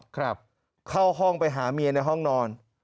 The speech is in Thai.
เข้าห้องไปหาเมียในห้องนอน